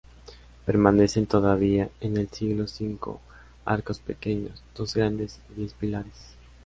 Permanecen todavía en el siglo cinco arcos pequeños, dos grandes y diez pilares.